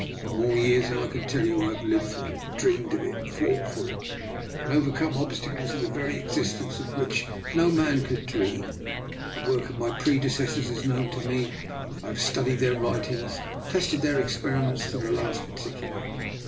For more years than I can tell you, I have lived for it, dreamed of it, fought for it, and overcome obstacles of the very existence of which no man could dream. The work of my predecessors is known to me; I have studied their writings, and tested their experiments to the last particular.